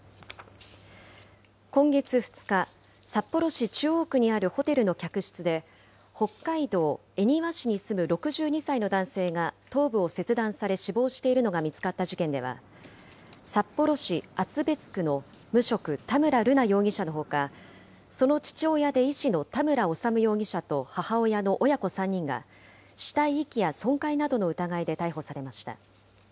今月２日、札幌市中央区にあるホテルの客室で、北海道恵庭市に住む６２歳の男性が頭部を切断され、死亡しているのが見つかった事件では、札幌市厚別区の無職、田村瑠奈容疑者のほか、その父親で医師の田村修容疑者と母親の親子３人が、死体遺棄や損壊などの疑いで逮捕されました。